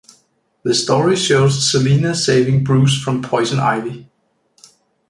The story shows Selina saving Bruce from Poison Ivy.